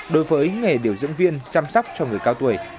đối với nghề điều dưỡng viên chăm sóc cho người cao tuổi